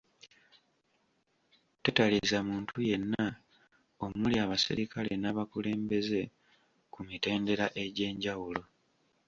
Tetalizza muntu yenna omuli abaserikale n'abakulembeze ku mitendera egy'enjawulo.